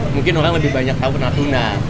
mungkin orang lebih banyak tahu ke natuna